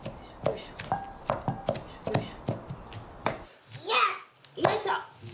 よいしょ。